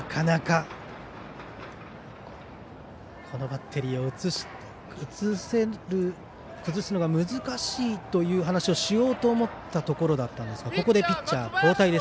このバッテリーを打ち崩すのが難しいという話をしようと思ったところでしたがここでピッチャー交代。